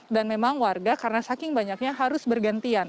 dan memang warga karena saking banyaknya harus bergantian